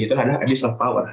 itu adalah abis of power